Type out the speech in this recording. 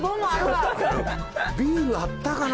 ビールあったかな？